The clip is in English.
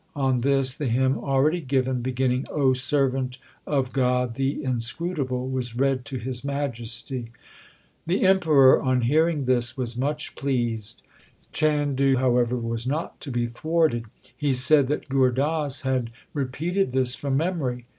On this the hymn already given, beginning O servant of God the Inscrutable , was read to His Majesty. The Emperor on hearing this was much pleased. Chandu, however, was not to be thwarted. He said that Gur Das had repeated this from memory.